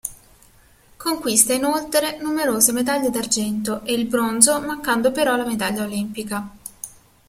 Conquista inoltre numerose medaglie d'argento e di bronzo mancando però la medaglia olimpica.